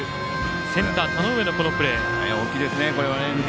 センター、田上の、このプレー。